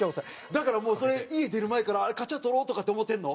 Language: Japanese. だからもうそれ家出る前から「カチャ撮ろう」とかって思うてるの？